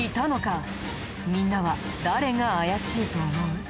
みんなは誰が怪しいと思う？